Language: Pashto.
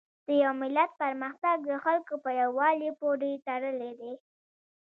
د یو ملت پرمختګ د خلکو په یووالي پورې تړلی دی.